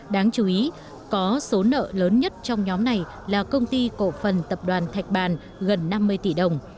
đáng chú ý có số nợ lớn nhất trong nhóm này là công ty cổ phần tập đoàn thạch bàn gần năm mươi tỷ đồng